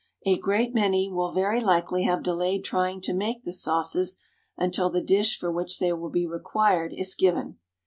A great many will very likely have delayed trying to make the sauces until the dish for which they will be required is given.